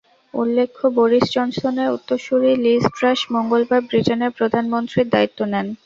উল্লেখ্য, বরিস জনসনের উত্তরসূরী লিজ ট্রাস মঙ্গলবার ব্রিটেনের প্রধানমন্ত্রীর দায়িত্ব নেন।